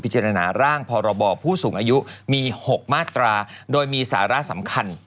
พิจารณาร่างพรบผู้สูงอายุมี๖มาตราโดยมีสาระสำคัญ